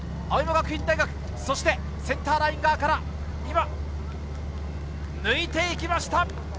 青山学院大学、そしてセンターライン側から今、抜いていきました。